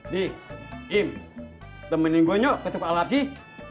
nih im temenin gua nyok ke cepalap sih